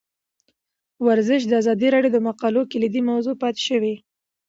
ورزش د ازادي راډیو د مقالو کلیدي موضوع پاتې شوی.